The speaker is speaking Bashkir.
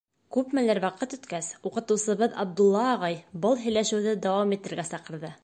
Күпмелер ваҡыт үткәс, уҡытыусыбыҙ Абдулла ағай был һөйләшеүҙе дауам итергә саҡырҙы.